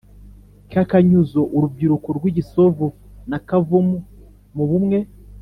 k’akanyuzo… urubyiruko rw’i gisovu na kavumu mu bumwe.